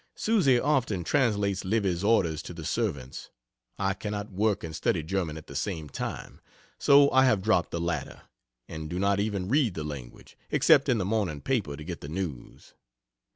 Susie often translates Livy's orders to the servants. I cannot work and study German at the same time: so I have dropped the latter, and do not even read the language, except in the morning paper to get the news.